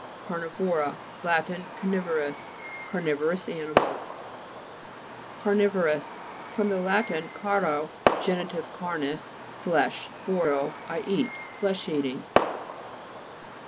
CARJTI'VORA Lat. Carnivorous. Carni'vorous animals. CARSTI'TOROUS fr. lat. caro, (geni tive carra's,) flesh, voro, I eat. Flesh eating.